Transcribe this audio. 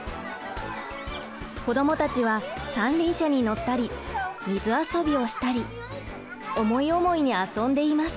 子どもたちは三輪車に乗ったり水遊びをしたり思い思いに遊んでいます。